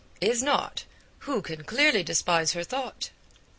is not 'who can clearly despise her thought?'